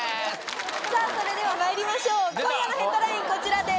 それではまいりましょう今夜のヘッドラインこちらです。